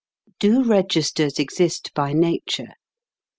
Do registers exist by nature